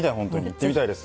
行ってみたいです。